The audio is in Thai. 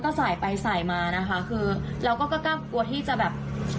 ก็สายไปสายมานะคะคือเราก็กล้ากลัวที่จะแบบ